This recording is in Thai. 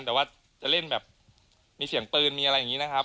แต่ว่าจะเล่นแบบมีเสียงปืนมีอะไรอย่างนี้นะครับ